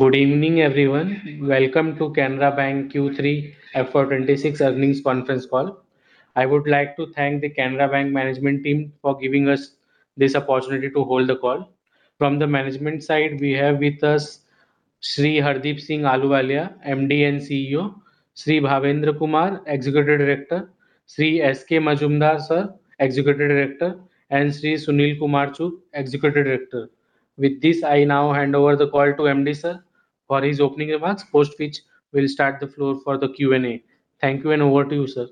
Good evening, everyone. Welcome to Canara Bank Q3 FY26 Earnings Conference Call. I would like to thank the Canara Bank management team for giving us this opportunity to hold the call. From the management side, we have with us Shri Hardeep Singh Ahluwalia, MD and CEO, Shri Bhavendra Kumar, Executive Director, Shri S. K. Majumdar, sir, Executive Director, and Shri Sunil Kumar Chugh, Executive Director. With this, I now hand over the call to MD, sir, for his opening remarks, post which we'll start the floor for the Q&A. Thank you, and over to you, sir.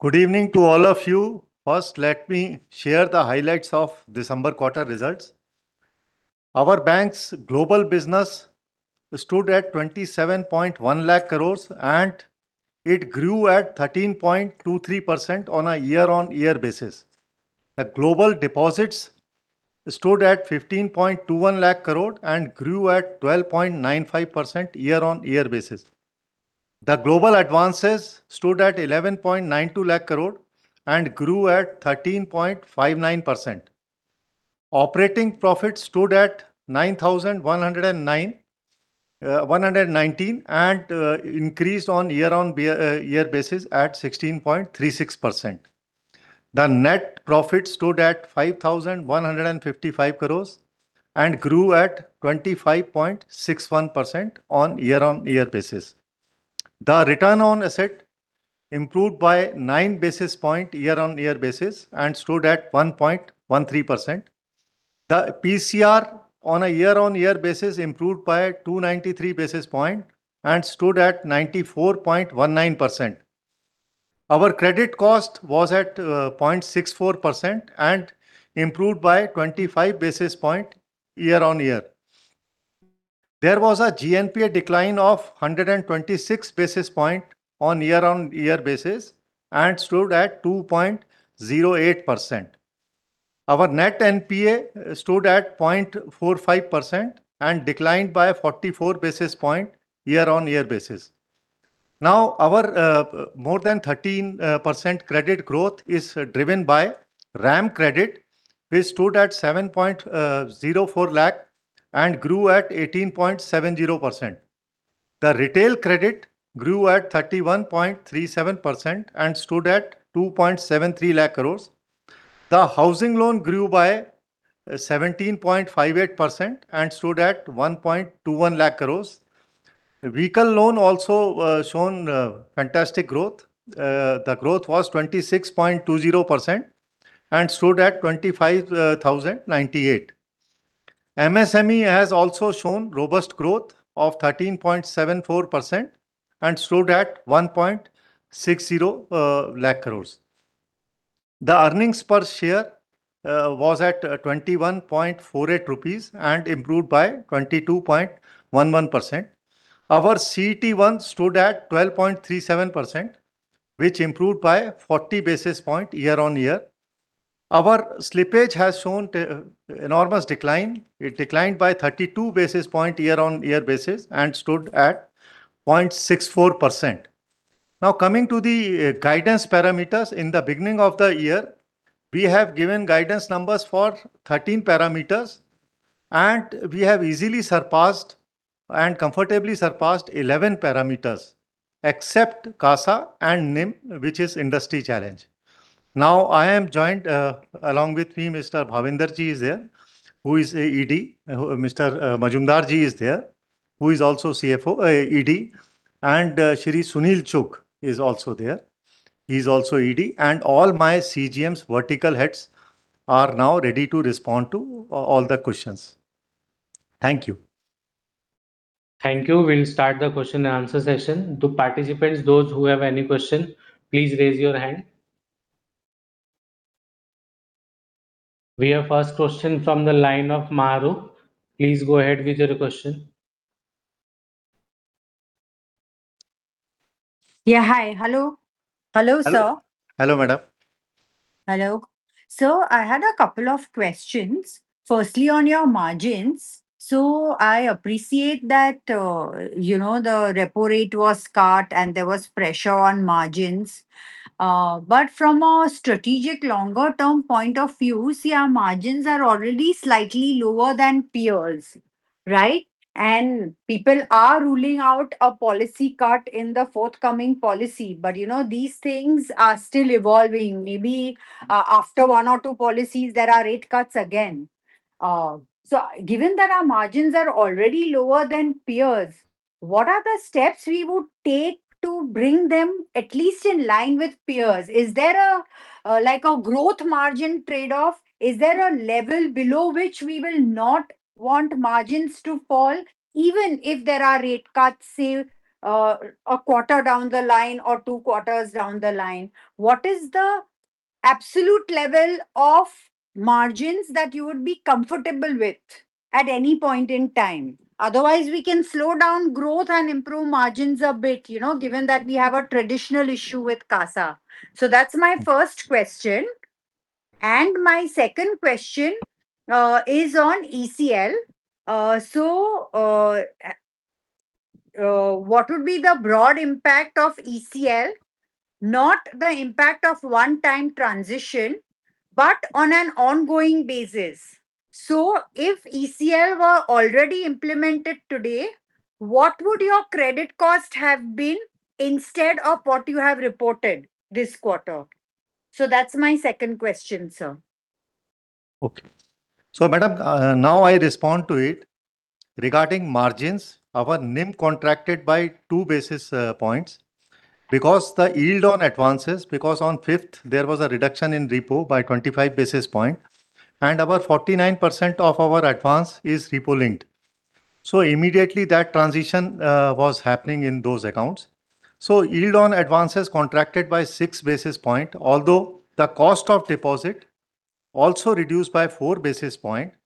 Good evening to all of you. First, let me share the highlights of December quarter results. Our bank's global business stood at 2,710,000 crore, and it grew at 13.23% on a year-on-year basis. The global deposits stood at 1,521,000 crore and grew at 12.95% year-on-year basis. The global advances stood at 1,192,000 crore and grew at 13.59%. Operating profit stood at INR 9,119 crore and increased on year-on-year basis at 16.36%. The net profit stood at 5,155 crore and grew at 25.61% on year-on-year basis. The return on assets improved by 9 basis points year-on-year basis and stood at 1.13%. The PCR on a year-on-year basis improved by 293 basis points and stood at 94.19%. Our credit cost was at 0.64% and improved by 25 basis points year-on-year. There was a GNPA decline of 126 basis points on year-on-year basis and stood at 2.08%. Our net NPA stood at 0.45% and declined by 44 basis points year-on-year basis. Now, our more than 13% credit growth is driven by RAM credit, which stood at 704,000 crore and grew at 18.70%. The retail credit grew at 31.37% and stood at 273,000 crore. The housing loan grew by 17.58% and stood at 121,000 crore. Vehicle loan also shown fantastic growth. The growth was 26.20% and stood at 25,098 crore. MSME has also shown robust growth of 13.74% and stood at 160,000 crore. The earnings per share was at 21.48 rupees and improved by 22.11%. Our CET1 stood at 12.37%, which improved by 40 basis point year on year. Our slippage has shown enormous decline. It declined by 32 basis point year on year basis and stood at 0.64%. Now, coming to the guidance parameters. In the beginning of the year, we have given guidance numbers for 13 parameters, and we have easily surpassed and comfortably surpassed 11 parameters, except CASA and NIM, which is industry challenge. Now, I am joined. Along with me, Mr. Bhavendra Ji is there, who is a ED, Mr. Majumdar Ji is there, who is also CFO, ED, and Shri Sunil Chugh is also there, he is also ED. All my CGMs, vertical heads, are now ready to respond to all the questions. Thank you. Thank you. We'll start the question and answer session. To participants, those who have any question, please raise your hand. We have first question from the line of Mahrukh Adajania. Please go ahead with your question. Yeah, hi. Hello? Hello, sir. Hello, madam. Hello. So I had a couple of questions. Firstly, on your margins. So I appreciate that, you know, the repo rate was cut and there was pressure on margins. But from a strategic longer-term point of view, see, our margins are already slightly lower than peers, right? And people are ruling out a policy cut in the forthcoming policy, but, you know, these things are still evolving. Maybe, after one or two policies, there are rate cuts again. So given that our margins are already lower than peers, what are the steps we would take to bring them at least in line with peers? Is there a, like, a growth margin trade-off? Is there a level below which we will not want margins to fall, even if there are rate cuts, say, a quarter down the line or two quarters down the line? What is the absolute level of margins that you would be comfortable with at any point in time? Otherwise, we can slow down growth and improve margins a bit, you know, given that we have a traditional issue with CASA. So that's my first question. And my second question is on ECL. So what would be the broad impact of ECL, not the impact of one-time transition, but on an ongoing basis? So if ECL were already implemented today, what would your credit cost have been instead of what you have reported this quarter? So that's my second question, sir. Okay. So, madam, now I respond to it. Regarding margins, our NIM contracted by 2 basis points because the yield on advances, because on 5th there was a reduction in repo by 25 basis points, and about 49% of our advance is repo-linked. So immediately, that transition was happening in those accounts. So yield on advances contracted by 6 basis points, although the cost of deposit also reduced by 4 basis points,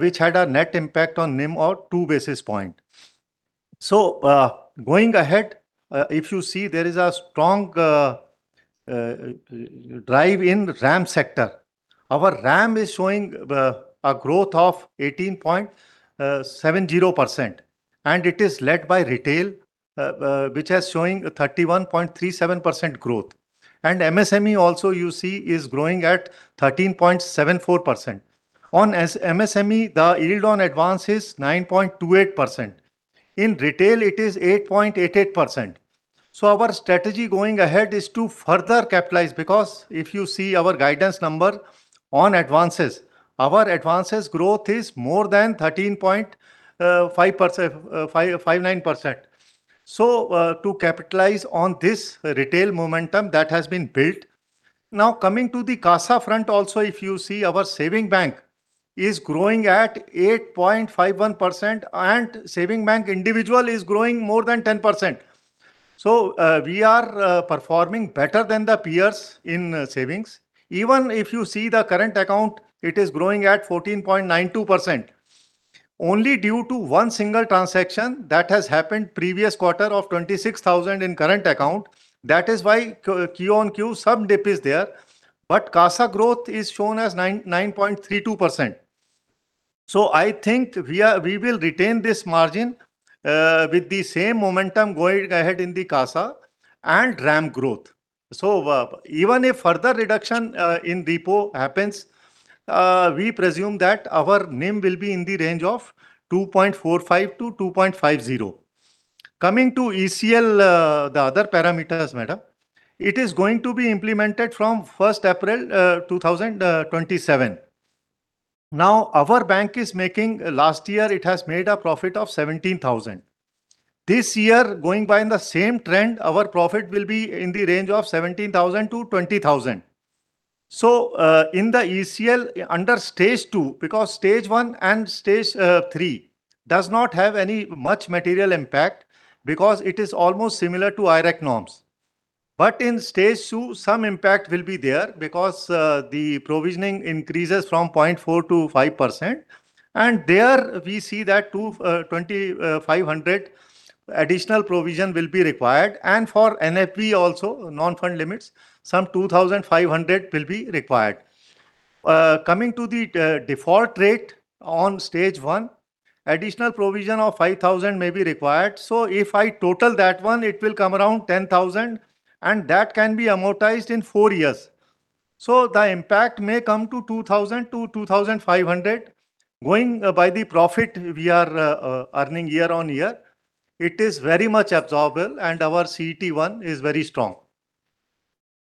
which had a net impact on NIM of 2 basis points. So, going ahead, if you see, there is a strong drive in RAM sector. Our RAM is showing a growth of 18.70%, and it is led by retail, which is showing a 31.37% growth. MSME also, you see, is growing at 13.74%. On MSME, the yield on advance is 9.28%. In retail, it is 8.88%. So our strategy going ahead is to further capitalize, because if you see our guidance number on advances, our advances growth is more than 13.559%. So, to capitalize on this retail momentum that has been built. Now, coming to the CASA front also, if you see our savings bank is growing at 8.51%, and savings bank individual is growing more than 10%. So, we are performing better than the peers in savings. Even if you see the current account, it is growing at 14.92%. Only due to one single transaction that has happened previous quarter of 26,000 in current account, that is why Q-o-Q, some dip is there. But CASA growth is shown as 9.32%. So I think we are we will retain this margin with the same momentum going ahead in the CASA and RAM growth. So, even if further reduction in repo happens, we presume that our NIM will be in the range of 2.45%-2.50%. Coming to ECL, the other parameters, madam, it is going to be implemented from April 1, 2027. Now, our bank is making... Last year, it has made a profit of 17,000. This year, going by in the same trend, our profit will be in the range of 17,000-20,000. So, in the ECL, under stage two, because stage one and stage three does not have any much material impact because it is almost similar to IRAC norms. But in stage two, some impact will be there because the provisioning increases from 0.4%-5%. And there we see that 2,250 additional provision will be required, and for NFB also, non-fund limits, some 2,500 will be required. Coming to the default rate on stage one, additional provision of 5,000 may be required. So if I total that one, it will come around 10,000, and that can be amortized in four years. So the impact may come to 2,000-2,500. Going by the profit we are earning year on year, it is very much absorbable, and our CET1 is very strong.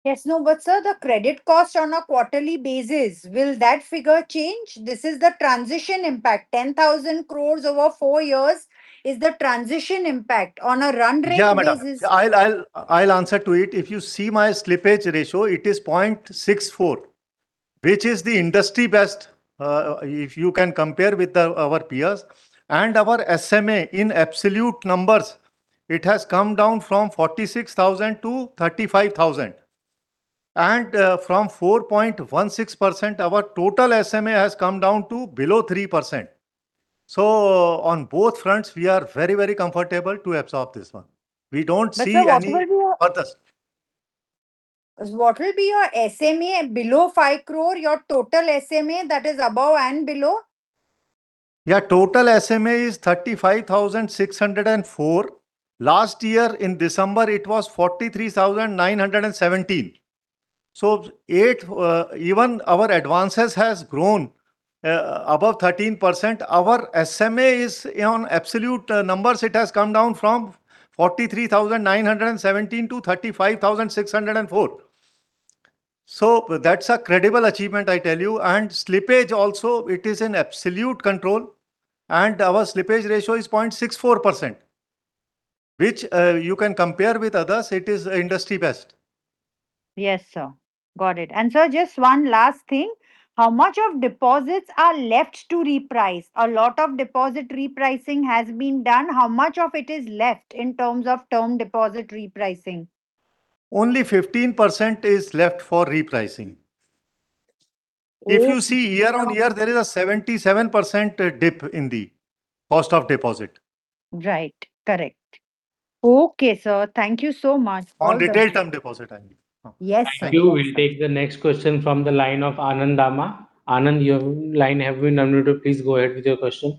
Yes. Now, but, sir, the credit cost on a quarterly basis, will that figure change? This is the transition impact. 10,000 crore over four years is the transition impact on a run rate basis- Yeah, madam, I'll answer to it. If you see my slippage ratio, it is 0.64, which is the industry best, if you can compare with our peers. Our SMA in absolute numbers, it has come down from 46,000 to 35,000, and from 4.16%, our total SMA has come down to below 3%. So on both fronts, we are very, very comfortable to absorb this one. We don't see any furthest- What will be your SMA below 5 crore, your total SMA, that is above and below? Yeah, total SMA is 35,604 crore. Last year in December, it was 43,917 crore. So eight, even our advances has grown above 13%. Our SMA is on absolute numbers, it has come down from 43,917 crore to 35,604 crore. So that's a credible achievement, I tell you. And slippage also, it is in absolute control, and our slippage ratio is 0.64%, which you can compare with others. It is industry best. Yes, sir. Got it. Sir, just one last thing. How much of deposits are left to reprice? A lot of deposit repricing has been done. How much of it is left in terms of term deposit repricing? Only 15% is left for repricing. Oh- If you see year-on-year, there is a 77% dip in the cost of deposit. Right. Correct.... Okay, sir. Thank you so much for the- On retail term deposit, I mean. Yes, sir. Thank you. We'll take the next question from the line of Anand Dama. Anand, your line have been unmuted. Please go ahead with your question.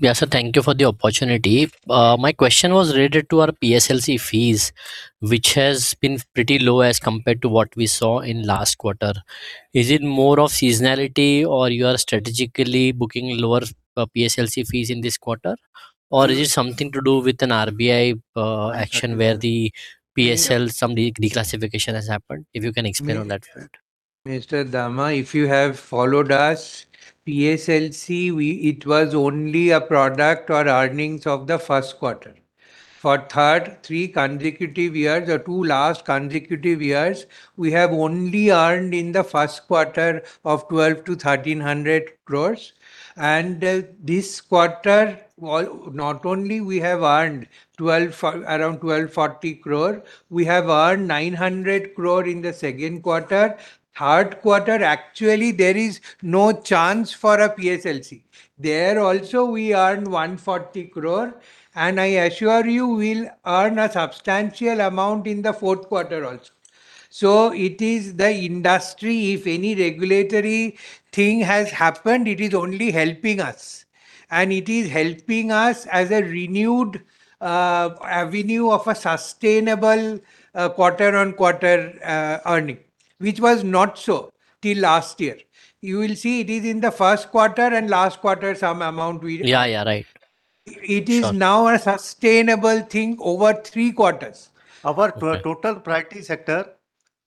Yeah, sir, thank you for the opportunity. My question was related to our PSLC fees, which has been pretty low as compared to what we saw in last quarter. Is it more of seasonality or you are strategically booking lower PSLC fees in this quarter? Or is it something to do with an RBI action where the PSL, some declassification has happened? If you can explain on that front. Mr. Dama, if you have followed us, PSLC, we, it was only a product or earnings of the first quarter. For third, three consecutive years or two last consecutive years, we have only earned in the first quarter of 1,200 crore to 1,300 crore. And, this quarter, well, not only we have earned twelve, around 1,240 crore, we have earned 900 crore in the second quarter. Third quarter, actually, there is no chance for a PSLC. There also, we earned 140 crore, and I assure you we'll earn a substantial amount in the fourth quarter also. So it is the industry, if any regulatory thing has happened, it is only helping us. And it is helping us as a renewed, avenue of a sustainable, quarter on quarter, earning, which was not so till last year. You will see it is in the first quarter and last quarter, some amount we- Yeah, yeah, right. It is now a sustainable thing over three quarters. Our total priority sector,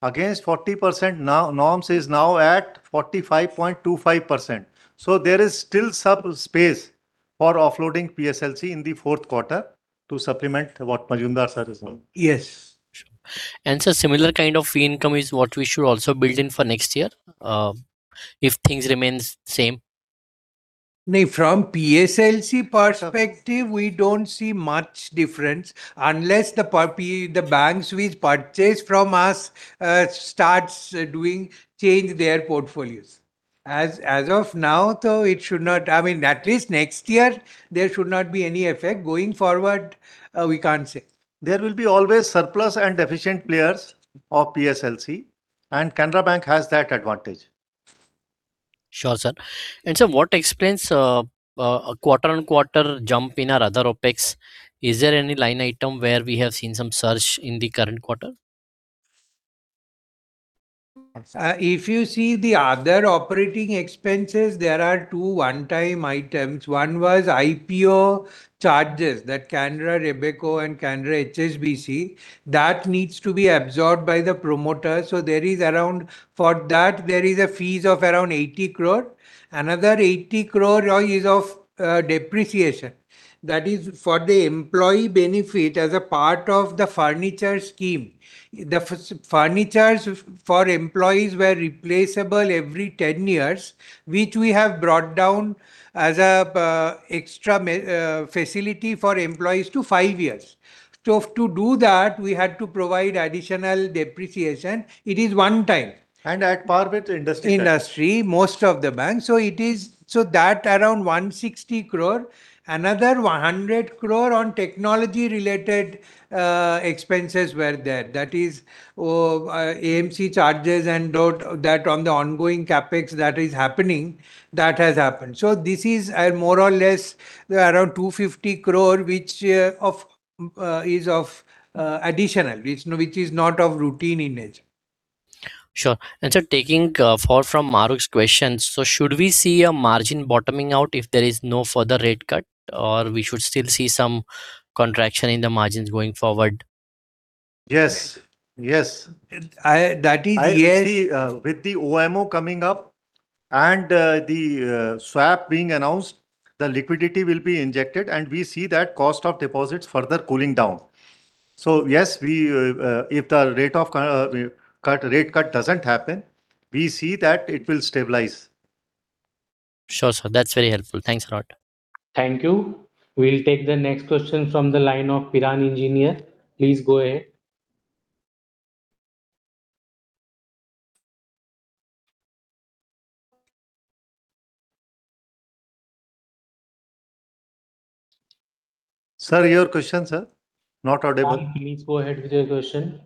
against 40% now, norms is now at 45.25%. So there is still some space for offloading PSLC in the fourth quarter to supplement what Majumdar sir is saying. Yes. Sir, similar kind of fee income is what we should also build in for next year, if things remains same? No, from PSLC perspective, we don't see much difference, unless the banks which purchase from us starts doing, change their portfolios. As of now, though, it should not... I mean, at least next year, there should not be any effect. Going forward, we can't say. There will be always surplus and efficient players of PSLC, and Canara Bank has that advantage. Sure, sir. And, sir, what explains a quarter-on-quarter jump in our other OpEx? Is there any line item where we have seen some surge in the current quarter? If you see the other operating expenses, there are two one-time items. One was IPO charges that Canara Robeco and Canara HSBC, that needs to be absorbed by the promoter, so there is around, for that, there is a fees of around 80 crore. Another 80 crore is of depreciation. That is for the employee benefit as a part of the furniture scheme. The furnitures for employees were replaceable every 10 years, which we have brought down as a extra facility for employees to five years. So to do that, we had to provide additional depreciation. It is one time. At par with industry. Industry, most of the banks. So it is, so that around 160 crore, another 100 crore on technology-related, expenses were there. That is, AMC charges and though that on the ongoing CapEx that is happening, that has happened. So this is, more or less, around 250 crore, which, of, is of, additional, which, which is not of routine in nature. Sure. And, sir, taking forward from Mark's question: so should we see a margin bottoming out if there is no further rate cut, or we should still see some contraction in the margins going forward? Yes. Yes. That is, yes. I see, with the OMO coming up and the swap being announced, the liquidity will be injected, and we see that cost of deposits further cooling down. So yes, we, if the rate cut doesn't happen, we see that it will stabilize. Sure, sir. That's very helpful. Thanks a lot. Thank you. We'll take the next question from the line of Piran Engineer. Please go ahead. Sir, your question, sir? Not audible. Please go ahead with your question.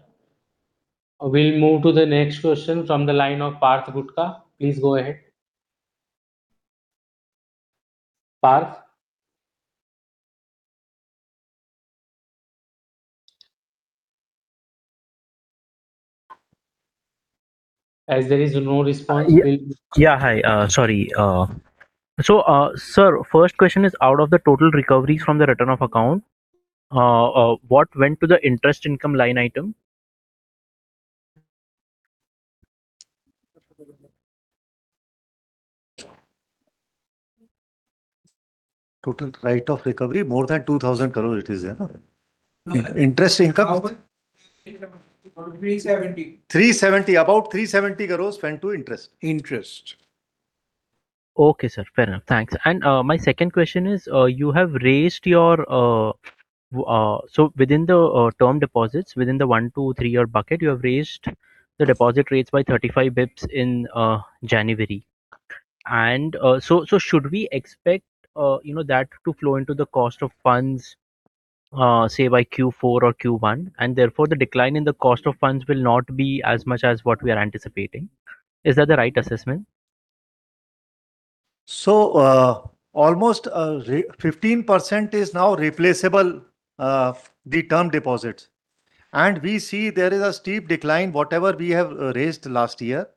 We'll move to the next question from the line of Parth Gupta. Please go ahead. Parth? As there is no response, we'll- Yeah. Hi, sorry. So, sir, first question is, out of the total recoveries from the return of account, what went to the interest income line item? Total rate of recovery, more than 2,000 crore it is, you know. Interest income? Three seventy. 370. About 370 crore went to interest. Interest. Okay, sir. Fair enough. Thanks. My second question is, you have raised your, so within the term deposits, within the 1, 2, 3-year bucket, you have raised the deposit rates by 35 bps in January.... and so should we expect, you know, that to flow into the cost of funds, say, by Q4 or Q1, and therefore the decline in the cost of funds will not be as much as what we are anticipating? Is that the right assessment? So, almost 15% is now replaceable, the term deposits. We see there is a steep decline, whatever we have raised last year.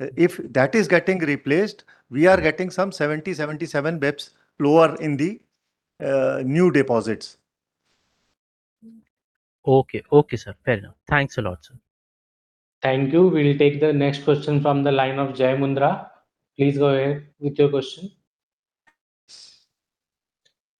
If that is getting replaced, we are getting some 77 basis points lower in the new deposits. Okay. Okay, sir. Fair enough. Thanks a lot, sir. Thank you. We'll take the next question from the line of Jai Mundra. Please go ahead with your question.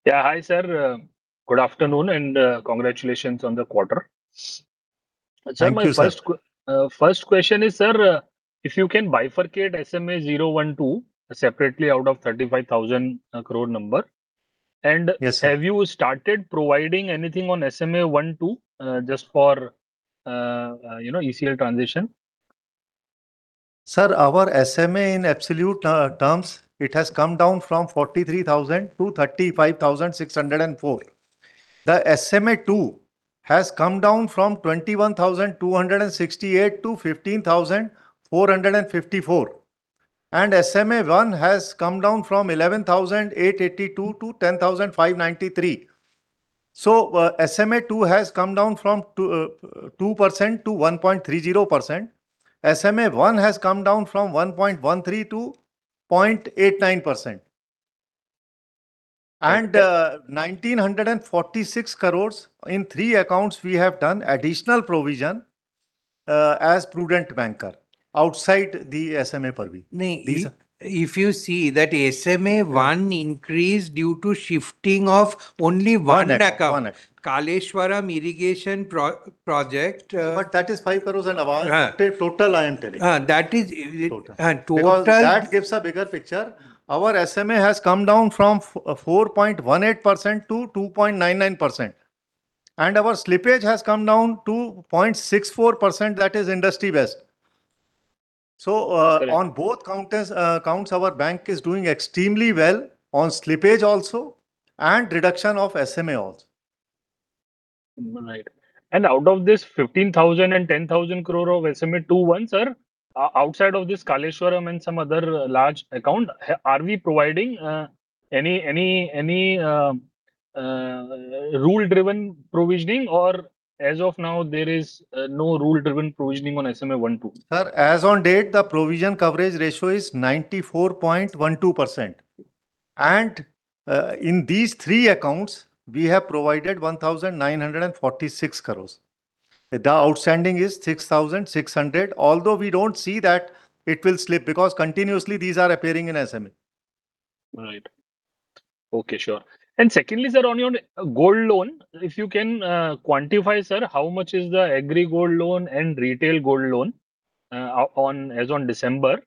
Yeah. Hi, sir. Good afternoon, and congratulations on the quarter. Thank you, sir. Sir, my first question is, sir, if you can bifurcate SMA zero, one, two separately out of 35,000 crore number. Yes, sir. Have you started providing anything on SMA one, two, just for, you know, easier transition? Sir, our SMA in absolute terms, it has come down from 43,000 crore to 35,604 crore. The SMA two has come down from 21,268 crore to 15,454 crore, and SMA one has come down from 11,882 crore to 10,593 crore. So, SMA two has come down from 2% to 1.30%. SMA one has come down from 1.13% to 0.89%. And, 1,946 crore, in three accounts we have done additional provision, as prudent banker outside the SMA purview. No, if you see that SMA one increased due to shifting of only one account- One account, one account. Kaleshwaram Irrigation Project, But that is 5 crore and our- Yeah... total, I am telling. That is. Total. Uh, total- Because that gives a bigger picture. Our SMA has come down from 4.18% to 2.99%, and our slippage has come down to 0.64%. That is industry best. Correct. So, on both counts, our bank is doing extremely well on slippage also, and reduction of SMA also. Right. And out of this 15,000 and 10,000 crore of SMA 2, 1, sir, outside of this Kaleshwaram and some other large account, are we providing any rule-driven provisioning, or as of now, there is no rule-driven provisioning on SMA 1, 2? Sir, as on date, the provision coverage ratio is 94.12%, and in these three accounts, we have provided 1,946 crore. The outstanding is 6,600 crore, although we don't see that it will slip, because continuously these are appearing in SMA. Right. Okay, sure. And secondly, sir, on your gold loan, if you can quantify, sir, how much is the agri gold loan and retail gold loan as on December?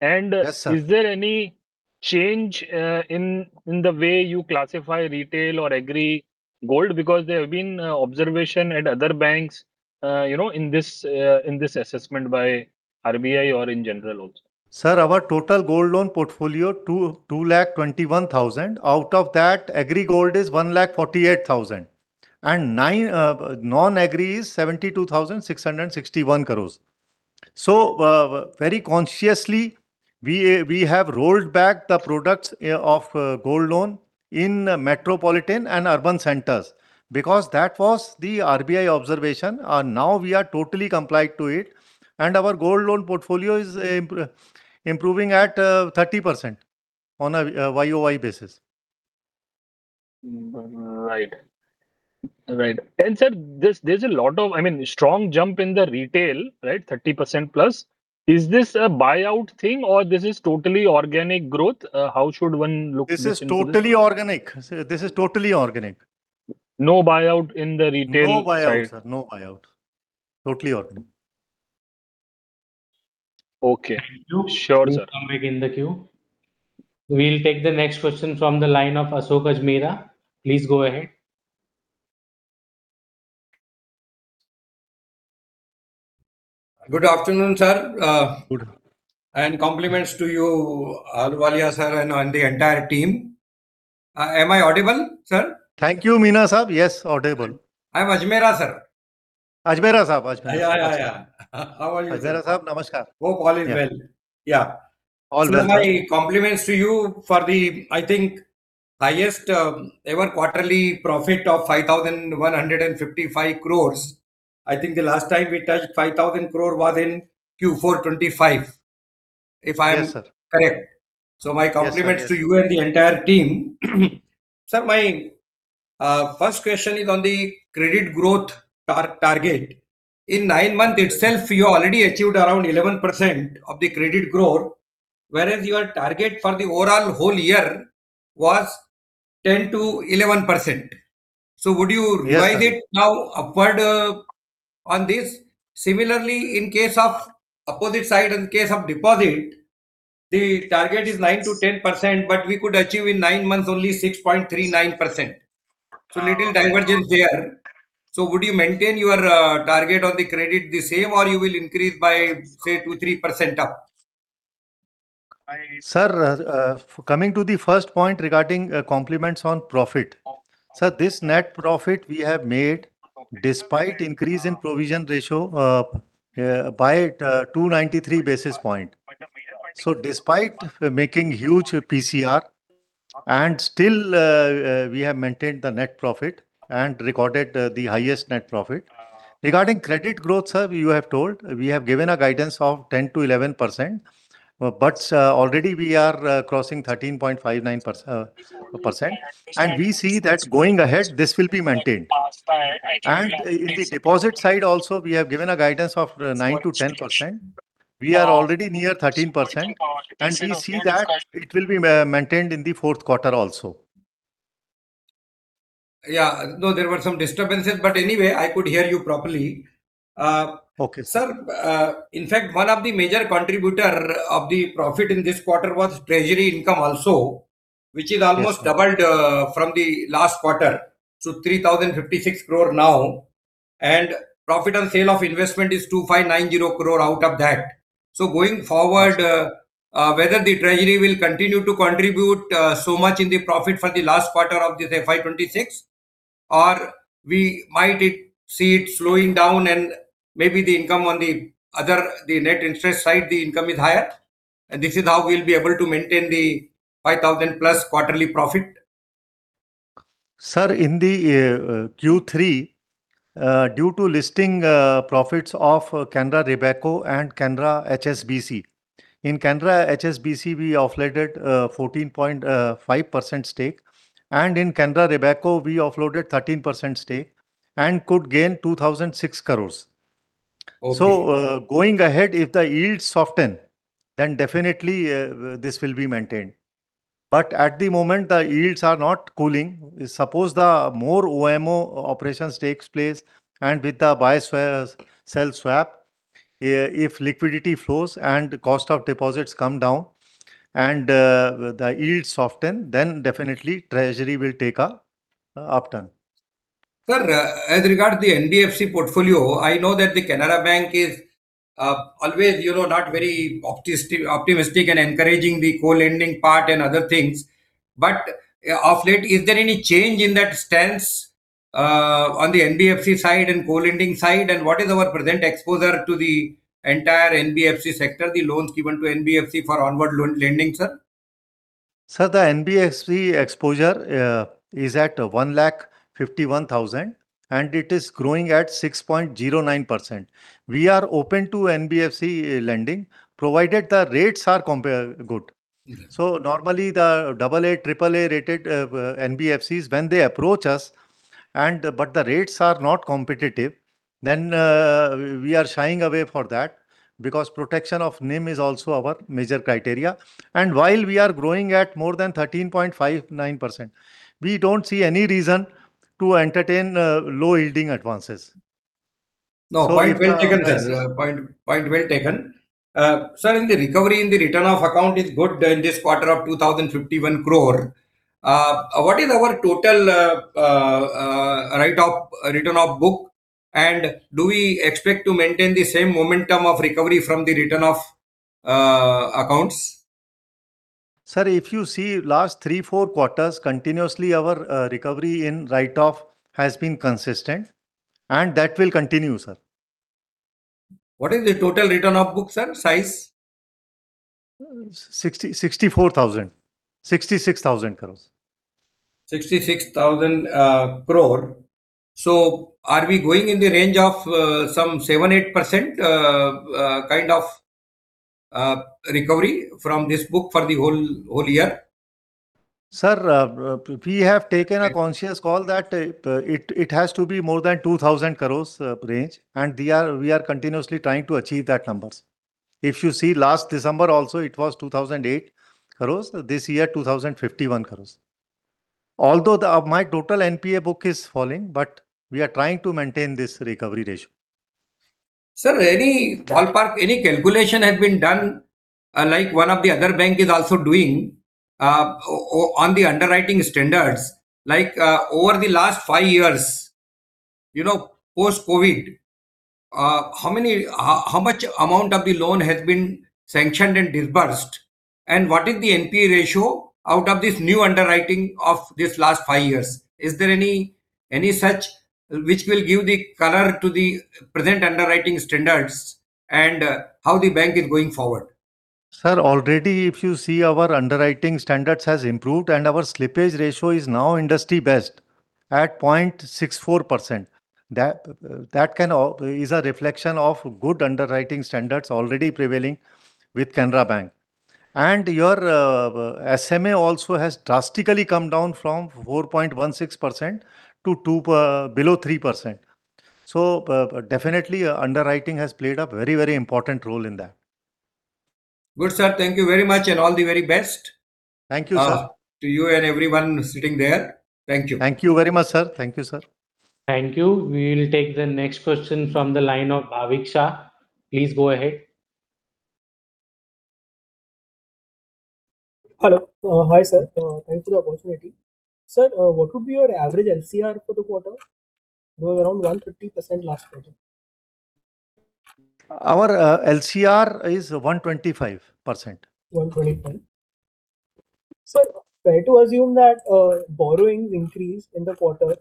Yes, sir. Is there any change in the way you classify retail or agri gold? Because there have been observation at other banks, you know, in this assessment by RBI or in general also. Sir, our total gold loan portfolio, 221,000 crore. Out of that, agri gold is 148,000 crore, and nine, non-agri is 72,661 crore. So, very consciously, we, we have rolled back the products, of, gold loan in metropolitan and urban centers because that was the RBI observation, and now we are totally compliant to it, and our gold loan portfolio is, improving at, 30% on a, YOY basis. Right. Right. And, sir, there's, there's a lot of, I mean, strong jump in the retail, right? 30% plus. Is this a buyout thing, or this is totally organic growth? How should one look into this? This is totally organic. Sir, this is totally organic. No buyout in the retail side? No buyout, sir. No buyout. Totally organic. Okay. Sure, sir. Thank you. You come back in the queue. We'll take the next question from the line of Ashok Ajmera. Please go ahead. Good afternoon, sir. Good. Compliments to you, Ahluwalia, sir, and the entire team. Am I audible, sir? Thank you, Mina, sir. Yes, audible. I'm Ajmera, sir. Ajmera, sir, Ajmera. Yeah, yeah, yeah. How are you? Ajmera, sir, namaskar. Hope all is well. Yeah. All well. So my compliments to you for the, I think, highest ever quarterly profit of 5,155 crore. I think the last time we touched 5,000 crore was in Q4 2025, if I am- Yes, sir. Correct. Yes, sir. So my compliments to you and the entire team. Sir, my first question is on the credit growth target. In nine months itself, you already achieved around 11% of the credit growth, whereas your target for the overall whole year was 10%-11%. Yes, sir. So would you revise it now upward on this? Similarly, in case of opposite side, in case of deposit, the target is 9%-10%, but we could achieve in nine months only 6.39%. So little divergence there. So would you maintain your target on the credit the same, or you will increase by, say, 2%-3% up? Sir, coming to the first point regarding comments on profit. Sir, this net profit we have made despite increase in provision ratio by 293 basis points. So despite making huge PCR, and still we have maintained the net profit and recorded the highest net profit. Regarding credit growth, sir, you have told, we have given a guidance of 10%-11%, but already we are crossing 13.59%, and we see that going ahead, this will be maintained. And in the deposit side also, we have given a guidance of 9%-10%. We are already near 13%, and we see that it will be maintained in the fourth quarter also. Yeah. No, there were some disturbances, but anyway, I could hear you properly. Okay. Sir, in fact, one of the major contributor of the profit in this quarter was treasury income also, which is almost doubled from the last quarter, to 3,056 crore now, and profit on sale of investment is 2,590 crore out of that. So going forward, whether the treasury will continue to contribute so much in the profit for the last quarter of this FY 2026, or we might it, see it slowing down and maybe the income on the other, the net interest side, the income is higher, and this is how we'll be able to maintain the 5,000+ quarterly profit? Sir, in the Q3 due to listing profits of Canara Robeco and Canara HSBC. In Canara HSBC, we offloaded 14.5% stake, and in Canara Robeco, we offloaded 13% stake and could gain 2,006 crore. Okay. Going ahead, if the yields soften, then definitely, this will be maintained. But at the moment, the yields are not cooling. Suppose the more OMO operations takes place, and with the buy/sell swap, if liquidity flows and cost of deposits come down and, the yields soften, then definitely treasury will take a upturn. Sir, as regard the NBFC portfolio, I know that the Canara Bank is always, you know, not very optimistic and encouraging the co-lending part and other things, but of late, is there any change in that stance on the NBFC side and co-lending side? And what is our present exposure to the entire NBFC sector, the loans given to NBFC for onward lending, sir? Sir, the NBFC exposure is at 151,000, and it is growing at 6.09%. We are open to NBFC lending, provided the rates are compare good. Mm-hmm. So normally, the double A, triple A-rated NBFCs, when they approach us, and but the rates are not competitive, then we are shying away for that, because protection of NIM is also our major criteria. And while we are growing at more than 13.59%, we don't see any reason to entertain low-yielding advances. So it- No, point well taken, sir. Point well taken. Sir, in the recovery in the return of account is good in this quarter of 2,051 crore. What is our total write-off written-off book, and do we expect to maintain the same momentum of recovery from the written-off accounts? Sir, if you see last three to four quarters, continuously, our recovery in write-off has been consistent, and that will continue, sir. What is the total written-off book, sir, size? 60, 64,000. 66,000 crore. 66,000 crore. So are we going in the range of some 7%-8% kind of recovery from this book for the whole, whole year? Sir, we have taken a conscious call that, it, it has to be more than 2,000 crore range, and we are, we are continuously trying to achieve that numbers. If you see, last December also, it was 2,008 crore. This year, 2,051 crore. Although the, my total NPA book is falling, but we are trying to maintain this recovery ratio. Sir, any ballpark, any calculation have been done, like one of the other bank is also doing, on the underwriting standards, like, over the last five years, you know, post-COVID, how much amount of the loan has been sanctioned and disbursed, and what is the NPA ratio out of this new underwriting of this last five years? Is there any, any such, which will give the color to the present underwriting standards and, how the bank is going forward? Sir, already, if you see, our underwriting standards has improved, and our slippage ratio is now industry best at 0.64%. That, that can all, is a reflection of good underwriting standards already prevailing with Canara Bank. And your SMA also has drastically come down from 4.16% to below 3%. So, definitely, underwriting has played a very, very important role in that. Good, sir. Thank you very much, and all the very best. Thank you, sir. To you and everyone sitting there. Thank you. Thank you very much, sir. Thank you, sir. Thank you. We will take the next question from the line of Bhavik Shah. Please go ahead. Hello. Hi, sir. Thanks for the opportunity. Sir, what would be your average LCR for the quarter? It was around 150% last quarter. Our LCR is 125%. 125. Sir, fair to assume that borrowings increase in the quarter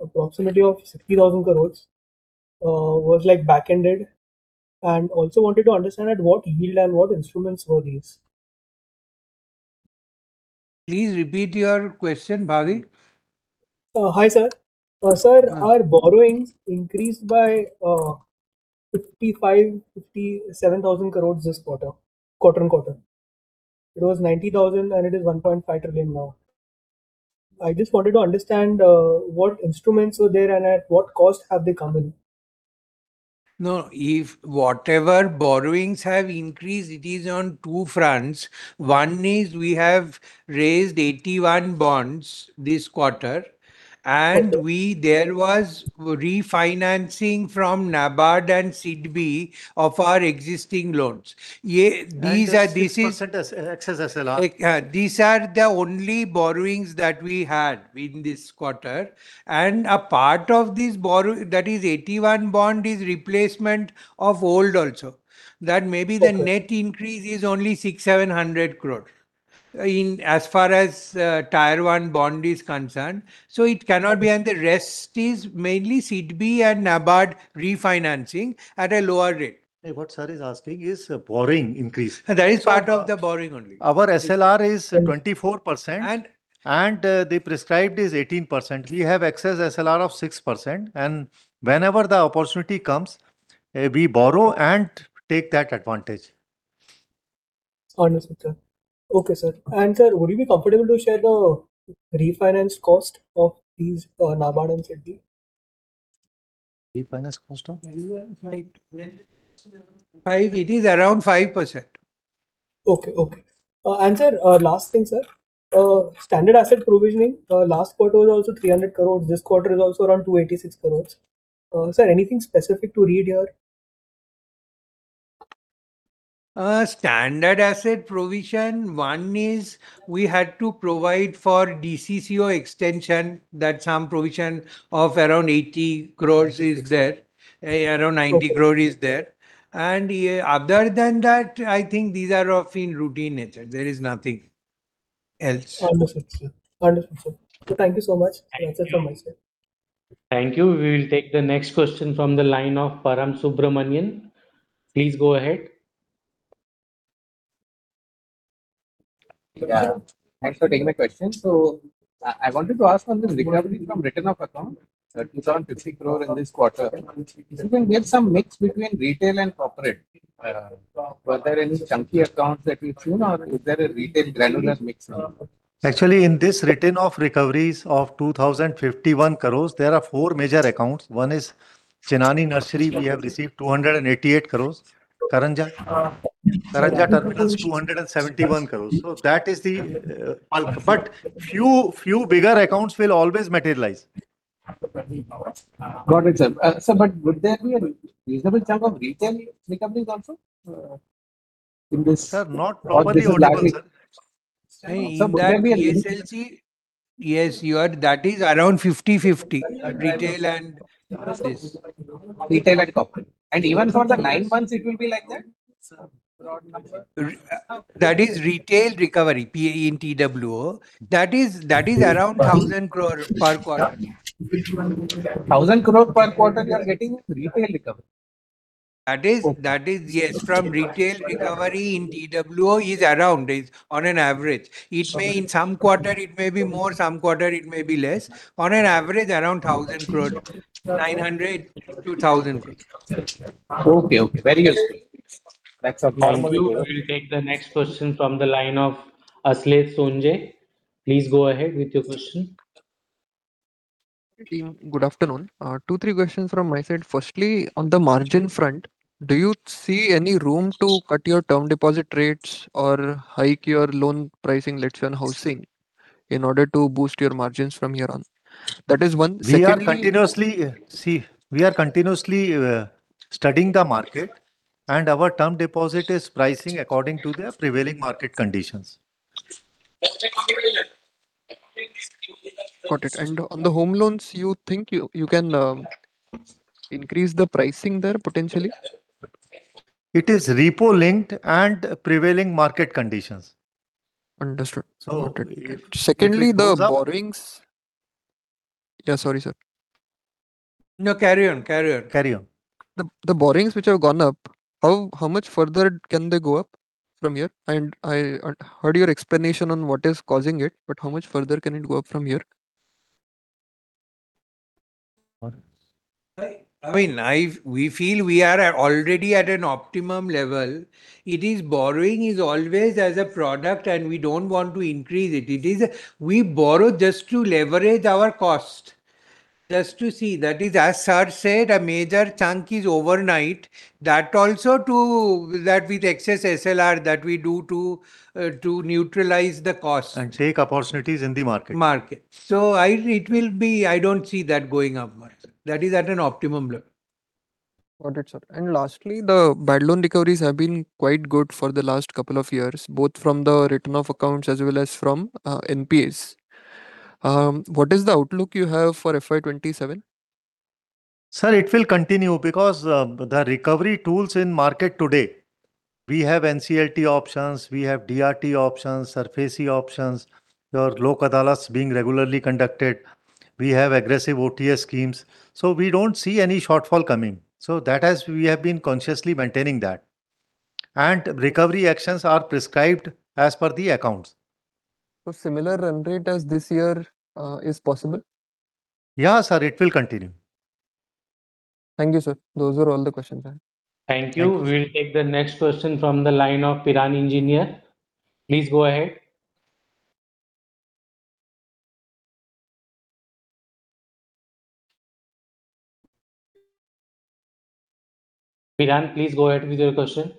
approximately of 60,000 crore was like back-ended, and also wanted to understand at what yield and what instruments were these? Please repeat your question, Bhavik. Hi, sir. Sir, our borrowings increased by 55,000 crore-57,000 crore this quarter, quarter-over-quarter. It was 90,000 crore, and it is 150,000 crore now. I just wanted to understand what instruments were there and at what cost have they come in? No, if whatever borrowings have increased, it is on two fronts. One is we have raised Tier 1 bonds this quarter, and we, there was refinancing from NABARD and SIDBI of our existing loans. Yeah, these are, this is- Excess, excess SLR. These are the only borrowings that we had in this quarter, and a part of this borrow, that is, Tier 1 bond, is replacement of old also. That may be- Okay. The net increase is only 600 crore-700 crore as far as Tier 1 bond is concerned. So it cannot be, and the rest is mainly SIDBI and NABARD refinancing at a lower rate. What sir is asking is borrowing increase. That is part of the borrowing only. Our SLR is 24% and, the prescribed is 18%. We have excess SLR of 6%, and whenever the opportunity comes, we borrow and take that advantage. Understood, sir. Okay, sir. And sir, would you be comfortable to share the refinance cost of these, NABARD and SIDBI? Refinance cost of? 5%. it is around 5%. Okay, okay. Sir, last thing, sir. Standard asset provisioning, last quarter was also 300 crore. This quarter is also around 286 crore. Sir, anything specific to read here? Standard asset provision, one is we had to provide for DCCO extension, that some provision of around 80 crore is there, around 90 crore is there. Okay. Other than that, I think these are of a routine nature. There is nothing else. Understood, sir. Understood, sir. Thank you so much. Thank you. Thanks so much, sir. Thank you. We will take the next question from the line of Param Subramanian. Please go ahead. Yeah. Thanks for taking my question. So I, I wanted to ask on the recovery from written-off account, that was 2,050 crore in this quarter. Is there some mix between retail and corporate? Were there any chunky accounts that you've seen, or is there a retail granular mix now? Actually, in this written-off recoveries of 2,051 crore, there are four major accounts. One is Chenani-Nashri, we have received 288 crore. Karanja Terminal, 271 crore. So that is the... But few, few bigger accounts will always materialize. Got it, sir. Sir, but would there be a reasonable chunk of retail recoveries also in this- Sir, not probably. Yes, you are, that is around 50/50, retail and this. Retail and corporate. And even for the nine months, it will be like that, sir? That is retail recovery in Q2. That is, that is around 1,000 crore per quarter. 1,000 crore per quarter you are getting retail recovery? That is... Yes, from retail recovery in 2 is around on an average. Okay. It may, in some quarter, it may be more, some quarter it may be less. On an average, around 1,000 crore, 900 crore-1,000 crore. Okay, okay. Very useful. Thanks a lot. Thank you. We will take the next question from the line of Ashlesh Sonje. Please go ahead with your question. Good afternoon. Two, three questions from my side. Firstly, on the margin front, do you see any room to cut your term deposit rates or hike your loan pricing, let's say, on housing, in order to boost your margins from here on? That is one. Secondly- We are continuously... See, we are continuously studying the market, and our term deposit is pricing according to the prevailing market conditions. Got it. And on the home loans, you think you can increase the pricing there, potentially? It is repo-linked and prevailing market conditions. Understood. So. Secondly, the borrowings... Yeah, sorry, sir. No, carry on, carry on, carry on. The borrowings which have gone up, how much further can they go up from here? And I heard your explanation on what is causing it, but how much further can it go up from here? I mean, we feel we are already at an optimum level. Borrowing is always as a product and we don't want to increase it. We borrow just to leverage our cost. Just to see, that is, as sir said, a major chunk is overnight. That also to, that with excess SLR, that we do to, to neutralize the cost. Take opportunities in the market. Market. So, I don't see that going up much. That is at an optimum level.... Got it, sir. And lastly, the bad loan recoveries have been quite good for the last couple of years, both from the return of accounts as well as from NPAs. What is the outlook you have for FY 2027? Sir, it will continue because the recovery tools in market today, we have NCLT options, we have DRT options, SARFAESI options, your local Lok Adalats being regularly conducted. We have aggressive OTS schemes. So we don't see any shortfall coming. So that has-- We have been consciously maintaining that. And recovery actions are prescribed as per the accounts. So similar run rate as this year is possible? Yeah, sir, it will continue. Thank you, sir. Those were all the questions I had. Thank you. We'll take the next question from the line of Piran Engineer. Please go ahead. Piran, please go ahead with your question.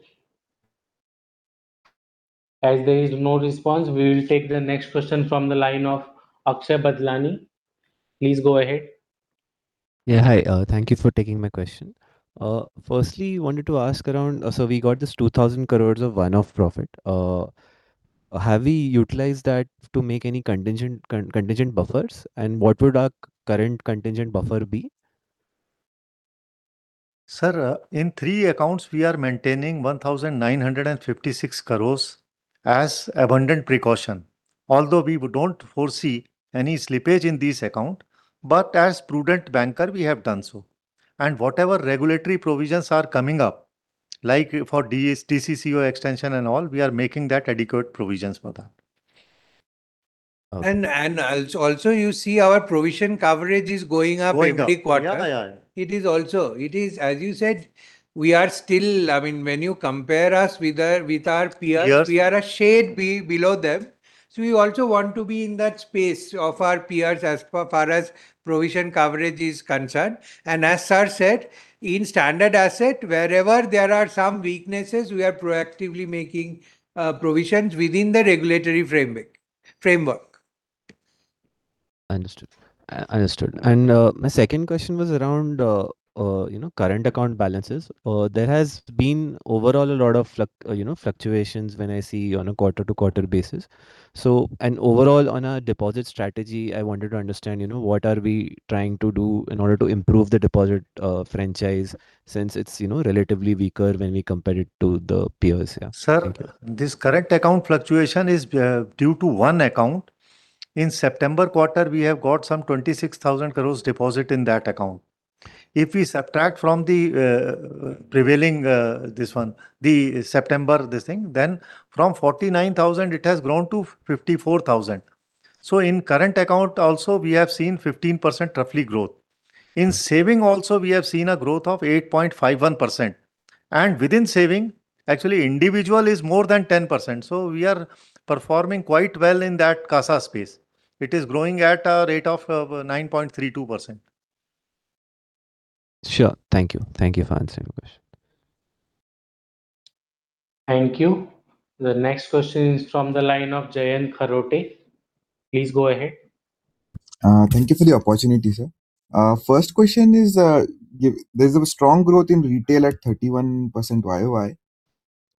As there is no response, we will take the next question from the line of Akshay Badlani. Please go ahead. Yeah, hi. Thank you for taking my question. Firstly, wanted to ask around, so we got this 2,000 crore of one-off profit. Have we utilized that to make any contingent buffers, and what would our current contingent buffer be? Sir, in three accounts, we are maintaining 1,956 crore as abundant precaution, although we would don't foresee any slippage in this account, but as prudent banker, we have done so. And whatever regulatory provisions are coming up, like for DCCO extension and all, we are making that adequate provisions for that. Also, you see our provision coverage is going up every quarter. Yeah, yeah, yeah. It is, as you said, we are still, I mean, when you compare us with our, with our peers- Yes. We are a shade below them. So we also want to be in that space of our peers as far as provision coverage is concerned. And as sir said, in standard asset, wherever there are some weaknesses, we are proactively making provisions within the regulatory framework. Understood. Understood. And, my second question was around, you know, current account balances. There has been overall a lot of fluctuations when I see on a quarter-to-quarter basis. So and overall, on our deposit strategy, I wanted to understand, you know, what are we trying to do in order to improve the deposit franchise, since it's, you know, relatively weaker when we compare it to the peers? Yeah. Thank you. This current account fluctuation is due to one account. In September quarter, we have got some 26,000 crore deposit in that account. If we subtract from the prevailing this one, the September, this thing, then from 49,000, it has grown to 54,000. So in current account also, we have seen 15% roughly growth. In saving also, we have seen a growth of 8.51%, and within saving, actually, individual is more than 10%. So we are performing quite well in that CASA space. It is growing at a rate of 9.32%. Sure. Thank you. Thank you for answering my question. Thank you. The next question is from the line of Jayant Kharote. Please go ahead. Thank you for the opportunity, sir. First question is, there's a strong growth in retail at 31% YOY.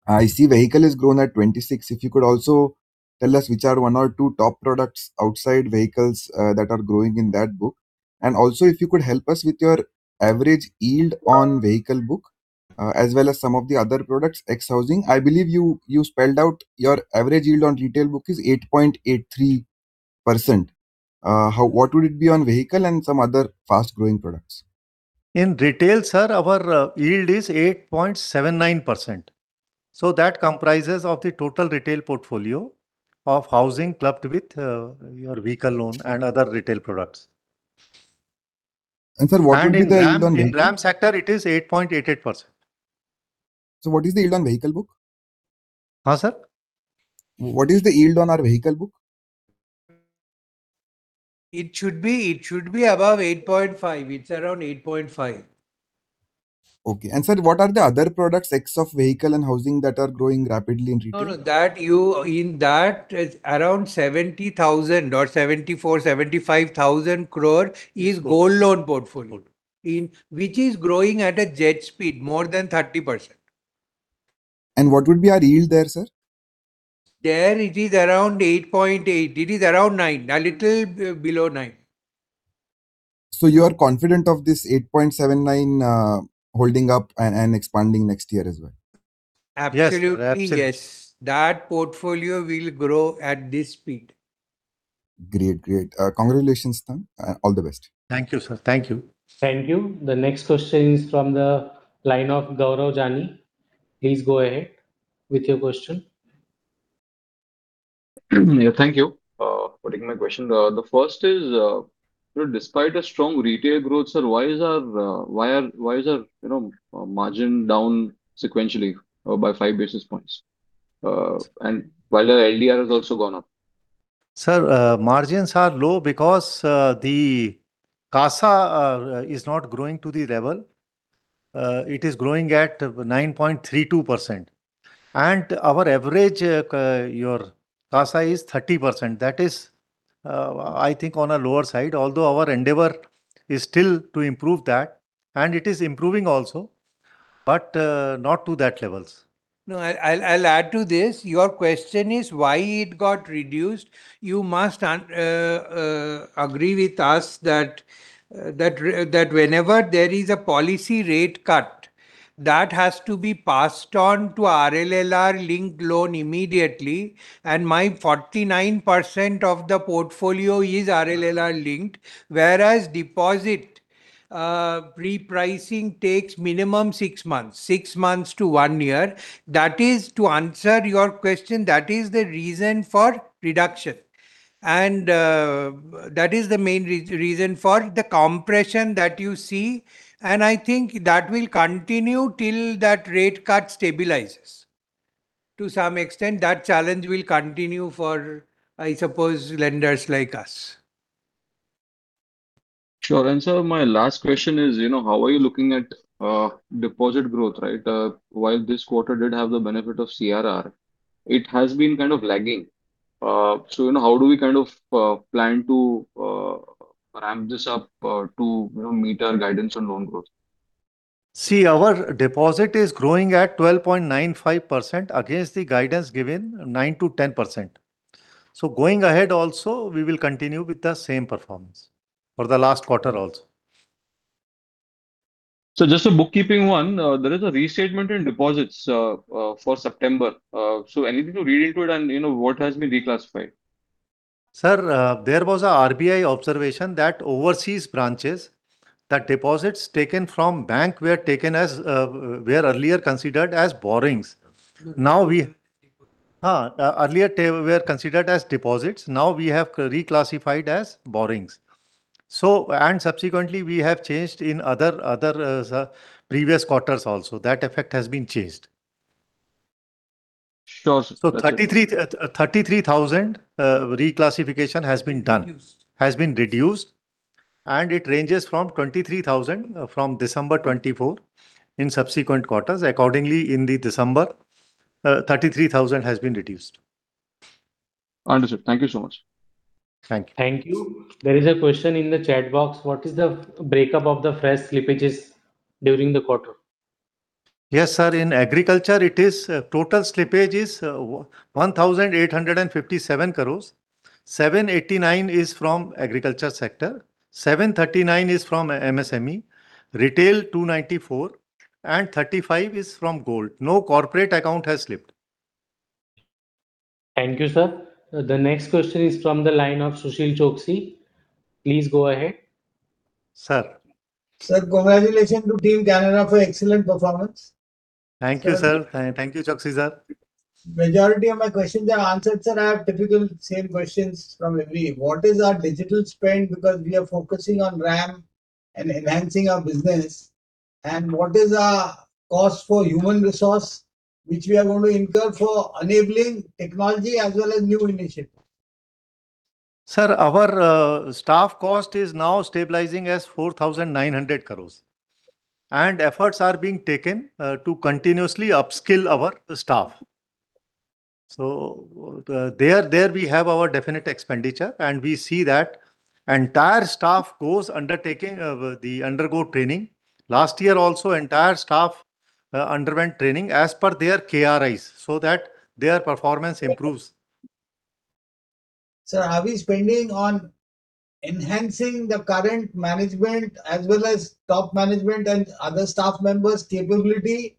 I see vehicle is growing at 26%. If you could also tell us which are 1 or 2 top products outside vehicles that are growing in that book. Also, if you could help us with your average yield on vehicle book as well as some of the other products, ex-housing. I believe you spelled out your average yield on retail book is 8.83%. What would it be on vehicle and some other fast-growing products? In retail, sir, our yield is 8.79%. So that comprises of the total retail portfolio of housing clubbed with your vehicle loan and other retail products. Sir, what would be the yield on vehicle? In RAM, in RAM sector, it is 8.88%. What is the yield on vehicle book? Uh, sir? What is the yield on our vehicle book? It should be, it should be above 8.5. It's around 8.5. Okay. Sir, what are the other products, ex of vehicle and housing, that are growing rapidly in retail? No, no, in that is around 70,000 or 74,000-75,000 crore is gold loan portfolio in which is growing at a jet speed, more than 30%. What would be our yield there, sir? There, it is around 8.8. It is around 9, a little below 9. You are confident of this 8.79 holding up and, and expanding next year as well? Yes. Absolutely, yes. That portfolio will grow at this speed. Great. Great. Congratulations, then, and all the best. Thank you, sir. Thank you. Thank you. The next question is from the line of Gaurav Jani. Please go ahead with your question. Yeah, thank you for taking my question. The first is, despite a strong retail growth, sir, why is our margin down sequentially by 5 basis points? And while our LDR has also gone up. Sir, margins are low because the CASA is not growing to the level. It is growing at 9.32%... and our average, your CASA is 30%. That is, I think on a lower side, although our endeavor is still to improve that, and it is improving also, but not to that levels. No, I'll add to this. Your question is why it got reduced. You must agree with us that whenever there is a policy rate cut, that has to be passed on to RLLR-linked loan immediately, and 49% of the portfolio is RLLR-linked, whereas deposit repricing takes minimum six months, six months to one year. That is, to answer your question, that is the reason for reduction, and that is the main reason for the compression that you see, and I think that will continue till that rate cut stabilizes. To some extent, that challenge will continue for, I suppose, lenders like us. Sure. Sir, my last question is, you know, how are you looking at deposit growth, right? So, you know, how do we kind of plan to ramp this up to you know, meet our guidance on loan growth? See, our deposit is growing at 12.95% against the guidance given, 9%-10%. So going ahead also, we will continue with the same performance for the last quarter also. Just a bookkeeping one. There is a restatement in deposits for September. Anything to read into it, and, you know, what has been reclassified? Sir, there was a RBI observation that overseas branches, that deposits taken from bank were taken as, were earlier considered as borrowings. Now, we- Deposits. Earlier, they were considered as deposits, now we have reclassified as borrowings. So, and subsequently, we have changed in other, other, sir, previous quarters also, that effect has been changed. Sure, sir. 33,000 reclassification has been done. Reduced. Has been reduced, and it ranges from 23,000 from December 2024 in subsequent quarters. Accordingly, in the December, 33,000 has been reduced. Understood. Thank you so much. Thank you. Thank you. There is a question in the chat box: What is the breakup of the fresh slippages during the quarter? Yes, sir. In agriculture, it is, total slippage is, 1,857 crore. 789 is from agriculture sector, 739 is from MSME, retail, 294, and 35 is from gold. No corporate account has slipped. Thank you, sir. The next question is from the line of Sushil Choksey. Please go ahead. Sir. Sir, congratulations to Team Canara for excellent performance. Thank you, sir. Thank you, Choksey, sir. Majority of my questions are answered, sir. I have typical same questions from every. What is our digital spend? Because we are focusing on ramp and enhancing our business. What is our cost for human resource, which we are going to incur for enabling technology as well as new initiatives? Sir, our staff cost is now stabilizing as 4,900 crore, and efforts are being taken to continuously upskill our staff. So, there we have our definite expenditure, and we see that entire staff goes undertaking the undergo training. Last year also, entire staff underwent training as per their KRAs, so that their performance improves. Sir, are we spending on enhancing the current management as well as top management and other staff members' capability?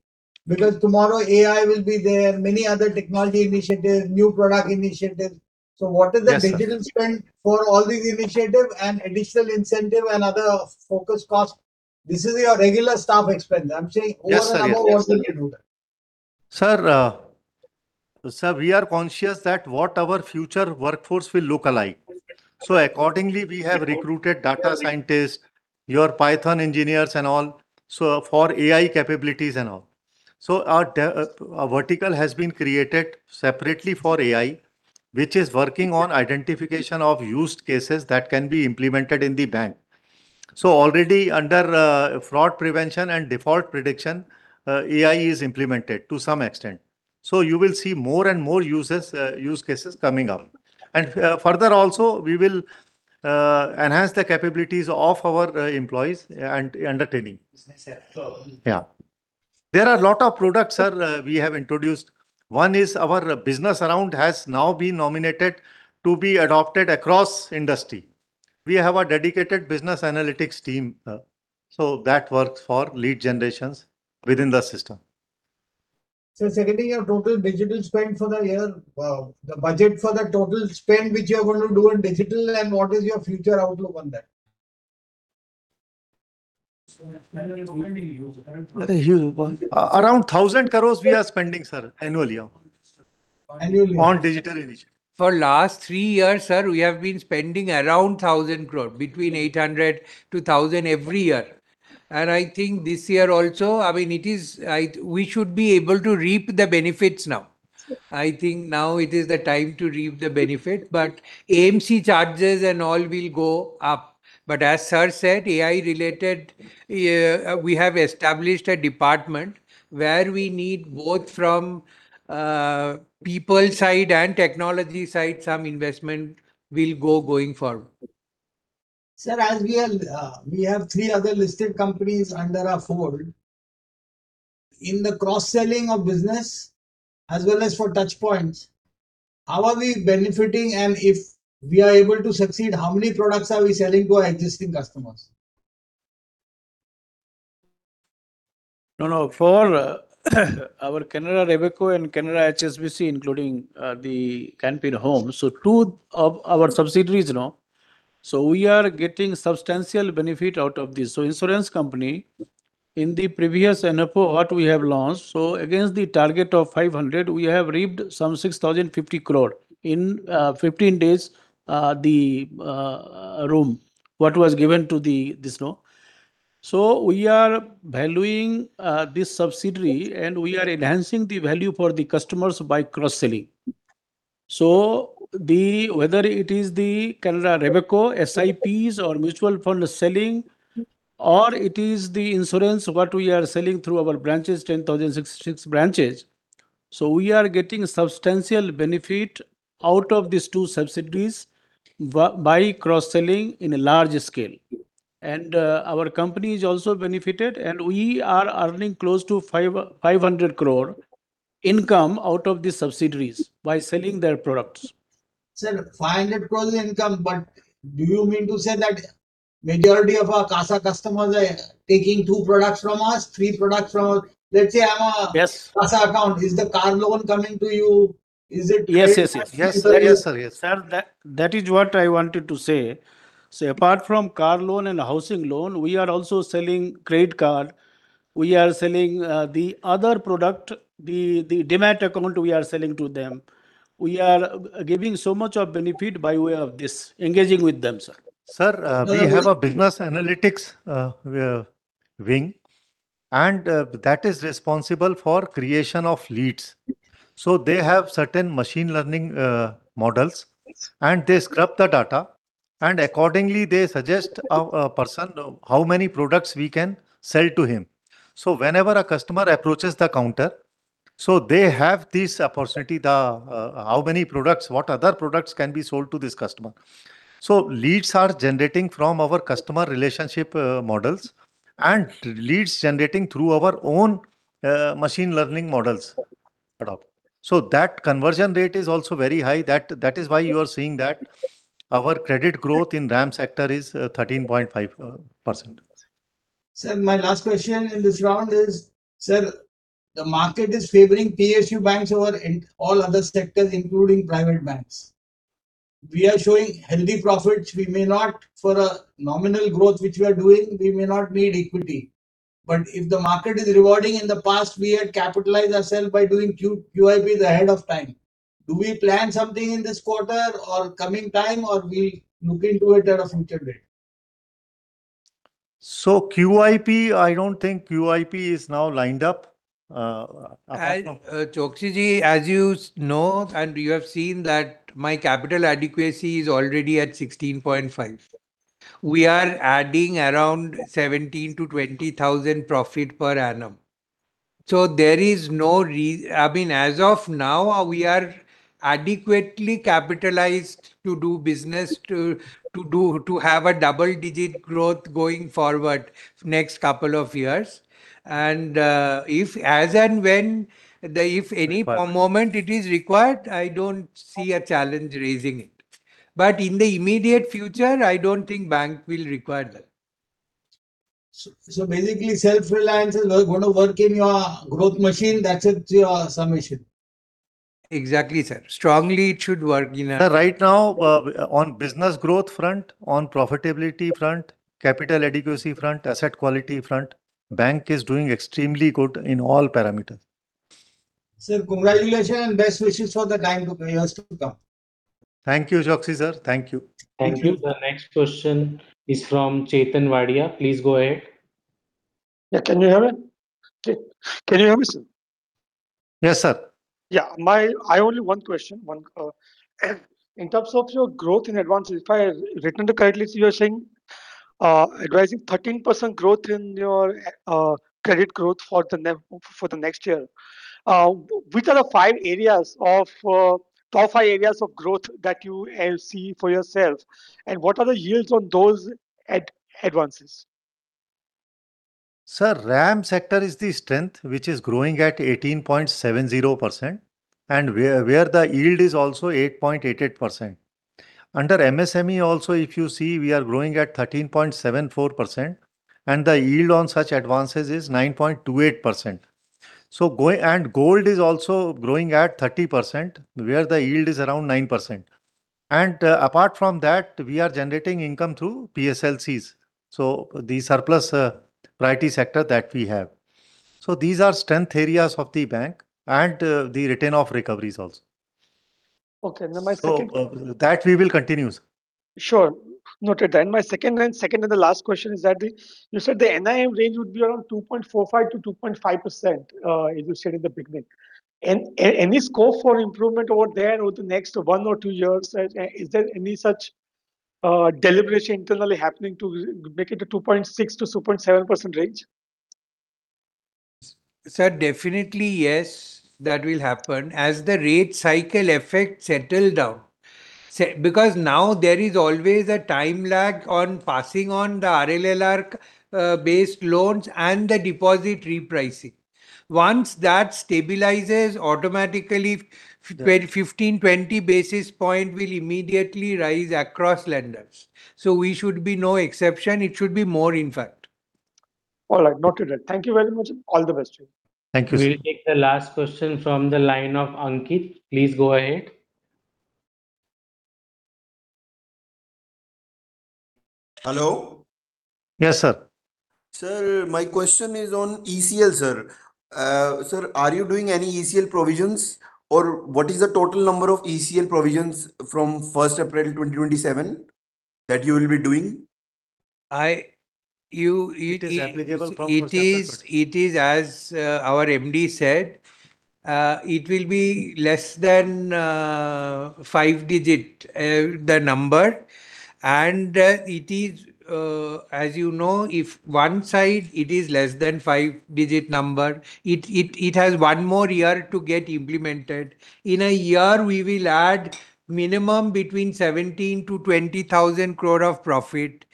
Because tomorrow, AI will be there, many other technology initiatives, new product initiatives. Yes, sir. What is the digital spend for all these initiatives and additional incentive and other focus costs? This is your regular staff expense. I'm saying- Yes, sir... over and above what you do there. Sir, sir, we are conscious that what our future workforce will look alike. So accordingly, we have recruited data scientists, your Python engineers and all, so for AI capabilities and all. So our vertical has been created separately for AI, which is working on identification of use cases that can be implemented in the bank. So already under fraud prevention and default prediction, AI is implemented to some extent. So you will see more and more uses, use cases coming up. And further also, we will enhance the capabilities of our employees and under training. Yes, sir. So- Yeah. There are a lot of products, sir, we have introduced. One is our Business Analytics has now been nominated to be adopted across industry. We have a dedicated Business Analytics team, so that works for lead generation within the system. Secondly, your total digital spend for the year, the budget for the total spend, which you are going to do in digital, and what is your future outlook on that? Huge... Around 1,000 crore we are spending, sir, annually- Annually... on digital initiative. For last three years, sir, we have been spending around 1,000 crore, between 800 crore-1,000 crore every year. I think this year also, I mean, it is, we should be able to reap the benefits now. I think now it is the time to reap the benefit, but AMC charges and all will go up. But as sir said, AI related, we have established a department where we need both from people side and technology side, some investment will go going forward. Sir, as we are, we have three other listed companies under our fold, in the cross-selling of business as well as for touch points, how are we benefiting? If we are able to succeed, how many products are we selling to our existing customers? No, no, for our Canara Robeco and Canara HSBC, including the Can Fin Homes, so two of our subsidiaries now. So we are getting substantial benefit out of this. So insurance company, in the previous NFO, what we have launched, so against the target of 500, we have reaped some 6,050 crore in fifteen days, the room, what was given to the, this, no? So we are valuing this subsidiary, and we are enhancing the value for the customers by cross-selling. So the, whether it is the Canara Robeco, SIPs, or mutual fund selling, or it is the insurance what we are selling through our branches, 10,066 branches, so we are getting substantial benefit out of these two subsidiaries by cross-selling in a large scale. Our company is also benefited, and we are earning close to 500 crore income out of the subsidiaries by selling their products. Sir, 500 crore is income, but do you mean to say that majority of our CASA customers are taking two products from us, three products from us? Let's say I have a- Yes... CASA account. Is the car loan coming to you? Is it- Yes, yes, yes. Yes, sir. Yes, sir. Yes. Sir, that, that is what I wanted to say. So apart from car loan and housing loan, we are also selling credit card. We are selling the other product, the, the demat account we are selling to them. We are giving so much of benefit by way of this engaging with them, sir. Sir, we have a Business Analytics wing, and that is responsible for creation of leads. So they have certain machine learning models and they scrub the data, and accordingly, they suggest a person, how many products we can sell to him. So whenever a customer approaches the counter, so they have this opportunity, the how many products, what other products can be sold to this customer. So leads are generating from our customer relationship models, and leads generating through our own machine learning models adopt. So that conversion rate is also very high. That is why you are seeing that our credit growth in RAM sector is 13.5%. Sir, my last question in this round is, sir, the market is favoring PSU banks over in all other sectors, including private banks. We are showing healthy profits. We may not for a nominal growth, which we are doing, we may not need equity. But if the market is rewarding, in the past, we had capitalized ourselves by doing QIPs ahead of time. Do we plan something in this quarter or coming time, or we look into it at a future date? QIP, I don't think QIP is now lined up, apart from- I, Choksey Ji, as you know, and you have seen that my capital adequacy is already at 16.5%. We are adding around 17-20 thousand profit per annum. So there is no, I mean, as of now, we are adequately capitalized to do business, to have a double-digit growth going forward for next couple of years. And, if, as and when, if any- Right... moment it is required, I don't see a challenge raising it. But in the immediate future, I don't think bank will require that. Basically, self-reliance is going to work in your growth machine. That's it, your summation. Exactly, sir. Strongly, it should work in a- Sir, right now, on business growth front, on profitability front, capital adequacy front, asset quality front, bank is doing extremely good in all parameters. Sir, congratulations and best wishes for the years to come. Thank you, Choksey, sir. Thank you. Thank you. The next question is from Chetan Wadia. Please go ahead. Yeah, can you hear me? Can you hear me, sir? Yes, sir. Yeah, I only one question, one, in terms of your growth in advances, if I read in the current list, you are saying advising 13% growth in your credit growth for the next year. Which are the five areas of top five areas of growth that you see for yourself, and what are the yields on those advances? Sir, RAM sector is the strength, which is growing at 18.70%, and where the yield is also 8.88%. Under MSME also, if you see, we are growing at 13.74%, and the yield on such advances is 9.28%. And gold is also growing at 30%, where the yield is around 9%. And apart from that, we are generating income through PSLCs, so the surplus priority sector that we have. So these are strength areas of the bank and the return of recoveries also. ... Okay, now my second- So, that we will continue, sir. Sure. Noted. And my second and, second to the last question is that, you said the NIM range would be around 2.45%-2.5%, as you said in the beginning. Any, any scope for improvement over there over the next one or two years? Is there any such, deliberation internally happening to make it a 2.6%-2.7% range? Sir, definitely, yes, that will happen as the rate cycle effect settle down. Because now there is always a time lag on passing on the RLLR-based loans and the deposit repricing. Once that stabilizes, automatically, 15-20 basis points will immediately rise across lenders. So we should be no exception. It should be more, in fact. All right. Noted. Thank you very much. All the best to you. Thank you, sir. We will take the last question from the line of Ankit. Please go ahead. Hello? Yes, sir. Sir, my question is on ECL, sir. Sir, are you doing any ECL provisions, or what is the total number of ECL provisions from first April 2027 that you will be doing? I-- You, it- It is applicable from- It is as our MD said, it will be less than five-digit, the number. And it is, as you know, if one side, it is less than five-digit number, it has one more year to get implemented. In a year, we will add minimum between 17,000-20,000 crore of profit.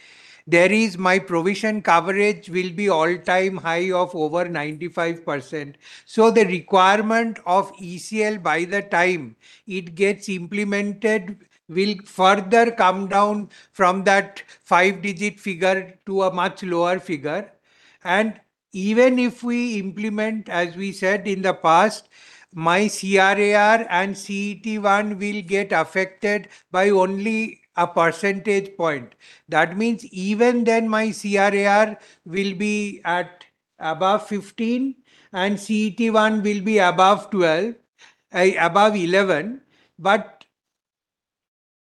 Then my provision coverage will be all-time high of over 95%. So the requirement of ECL by the time it gets implemented will further come down from that five-digit figure to a much lower figure. And even if we implement, as we said in the past, my CRAR and CET1 will get affected by only a percentage point. That means even then, my CRAR will be at above 15, and CET1 will be above 12, above 11. But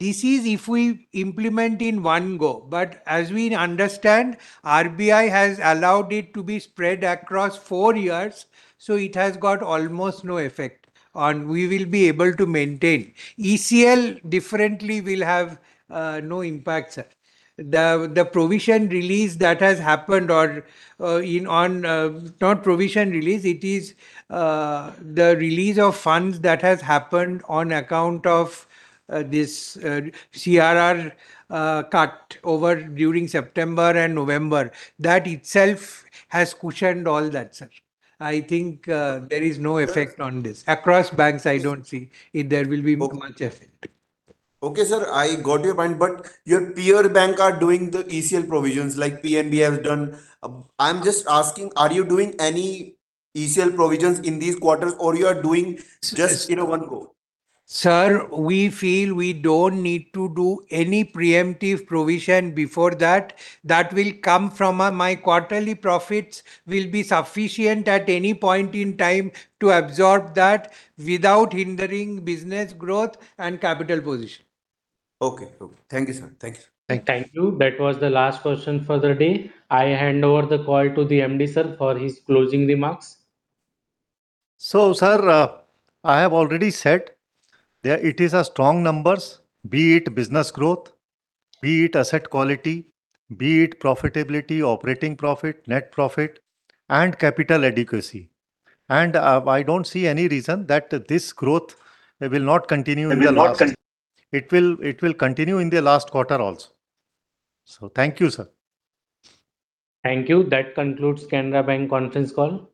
this is if we implement in one go. But as we understand, RBI has allowed it to be spread across four years, so it has got almost no effect on, we will be able to maintain. ECL differently will have no impact, sir. The, the provision release that has happened or, in, on, not provision release, it is, the release of funds that has happened on account of, this, CRR, cut over during September and November. That itself has cushioned all that, sir. I think, there is no effect on this. Across banks, I don't see if there will be much effect. Okay, sir, I got your point, but your peer bank are doing the ECL provisions like PNB has done. I'm just asking, are you doing any ECL provisions in these quarters, or you are doing just, you know, one go? Sir, we feel we don't need to do any preemptive provision before that. That will come from, my quarterly profits will be sufficient at any point in time to absorb that without hindering business growth and capital position. Okay. Thank you, sir. Thank you. Thank you. That was the last question for the day. I hand over the call to the MD, sir, for his closing remarks. Sir, I have already said that it is a strong numbers, be it business growth, be it asset quality, be it profitability, operating profit, net profit, and capital adequacy. I don't see any reason that this growth will not continue. It will, it will continue in the last quarter also. So thank you, sir. Thank you. That concludes Canara Bank conference call. Thank you.